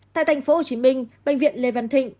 tại tp hcm bệnh viện lưu dương